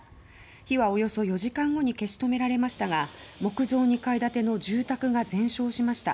火はおよそ４時間後に消し止められましたが木造２階建ての住宅が全焼しました。